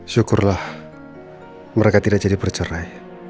syukurlah mereka tidak jadi bercerai